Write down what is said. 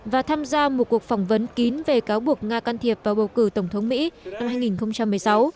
và tham gia một cuộc phỏng vấn kín về cáo buộc nga can thiệp vào bầu cử tổng thống mỹ năm hai nghìn một mươi sáu